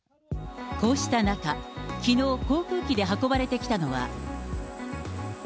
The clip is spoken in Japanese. こうした中、きのう、航空機で運ばれてきたのは。